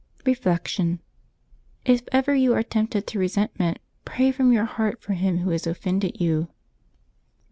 Reflection. — If ever you are tempted to resentment, pray from your heart for him who has offended you.